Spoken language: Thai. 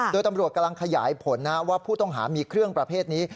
โดยตำรวจกำลังขยายผลนะว่าผู้ต้องหามีเครื่องประเภทนี้